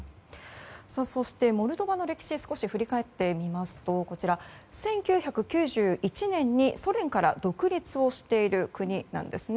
そしてモルドバの歴史を振り返ってみますと１９９１年にソ連から独立をしている国です。